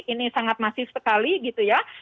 ini sangat masif sekali gitu ya